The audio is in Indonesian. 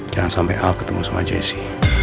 jangan sampai hal ketemu sama jesse